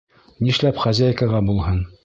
Нишләп хозяйкаға булһын?